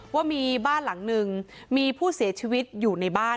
ว่ามีบ้านหลังนึงมีผู้เสียชีวิตอยู่ในบ้าน